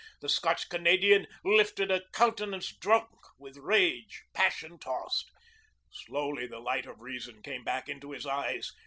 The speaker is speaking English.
The Scotch Canadian lifted a countenance drunk with rage, passion tossed. Slowly the light of reason came back into his eyes.